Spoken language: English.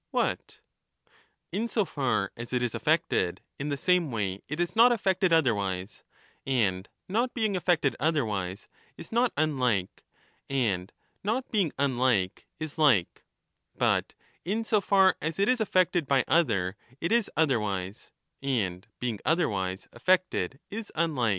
What? In so far as it is affected in the same way it is not affected From otherwise, and not being affected otherwise is not unlike, and ^?nt*af not being unlike, is like ; but in so far as it is affected by view the other it is otherwise, and being otherwise affected is unlike.